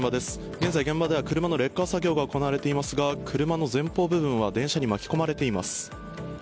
現在、現場では車のレッカー作業が行われていますが車の前方部分は電車に巻き込まれています。